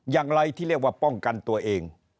อย่างไรที่เรียกว่าป้องกันตัวเอง